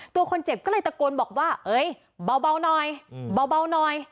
ตัวคนเจ็บก็เลยตะโกนบอกว่าเอ้ยเบาหน่อยเบาหน่อย